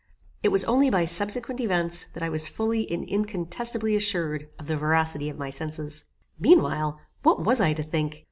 It was only by subsequent events, that I was fully and incontestibly assured of the veracity of my senses. Meanwhile what was I to think?